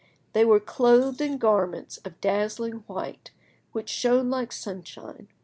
They were clothed in garments of dazzling white which shone like sunshine.